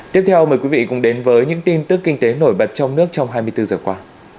tiếp theo mời quý vị cùng đến với những tin tức kinh tế nổi bật trong nước trong hai mươi bốn giờ qua